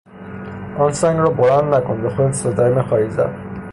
آن سنگ را بلند نکن، به خودت صدمه خواهی زد!